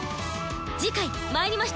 次回「魔入りました！